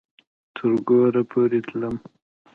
تر کوره پورې تلم